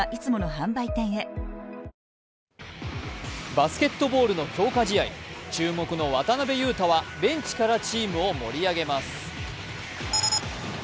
バスケットボールの強化試合、注目の渡邊雄太はベンチからチームを盛り上げます。